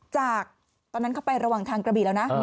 จากตอนนั้นเขาไประหว่างทางกระบีแล้วนะ